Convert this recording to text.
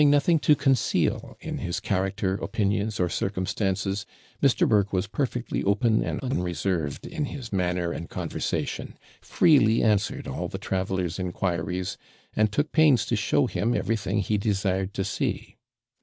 Having nothing to conceal in his character, opinions, or circumstances, Mr. Burke was perfectly open and unreserved in his manner and conversation; freely answered all the traveller's inquiries, and took pains to show him everything he desired to see.